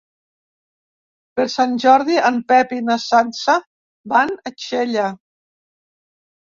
Per Sant Jordi en Pep i na Sança van a Xella.